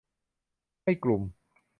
ให้กลุ่ม